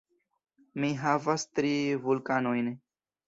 Mi havas tri vulkanojn.